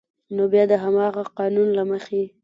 نو بیا د همغه قانون له مخې